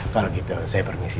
kalau gitu saya permisi